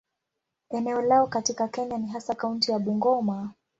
Eneo lao katika Kenya ni hasa kaunti ya Bungoma.